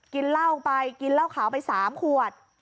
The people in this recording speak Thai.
กินเหล้าไปกินเหล้าขาวไป๓ขวด